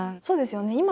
そうですよね。